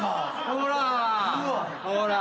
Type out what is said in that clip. ほら。